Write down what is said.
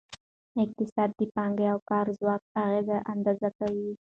اقتصاد د پانګې او کار ځواک اغیزه اندازه کوي.